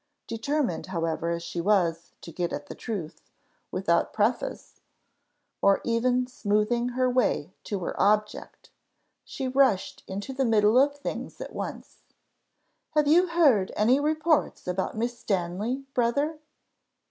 Determined, however, as she was, to get at the truth, without preface, or even smoothing her way to her object, she rushed into the middle of things at once. "Have you heard any reports about Miss Stanley, brother?"